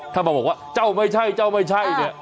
ถ้ามาบอกว่าเจ้าไม่ใช่เจ้าไม่ใช่เนี่ย